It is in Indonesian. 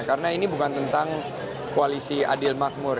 karena ini bukan tentang koalisi adil makmur